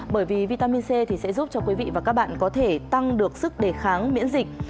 bởi vì vitamin c thì sẽ giúp cho quý vị và các bạn có thể tăng được sức đề kháng miễn dịch